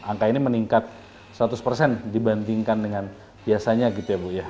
angka ini meningkat seratus persen dibandingkan dengan biasanya gitu ya bu ya